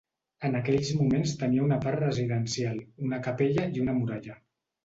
En aquells moments tenia una part residencial, una capella i una muralla.